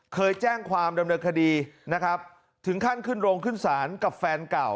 เคยแจ้งความดำเนินคดีนะครับถึงขั้นขึ้นโรงขึ้นศาลกับแฟนเก่า